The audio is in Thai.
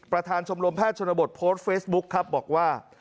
ชมรมแพทย์ชนบทโพสต์เฟซบุ๊คครับบอกว่า